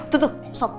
kamu mau makan yang mana